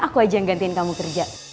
aku aja yang gantiin kamu kerja